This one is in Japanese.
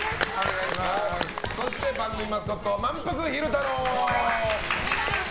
そして番組マスコットまんぷく昼太郎！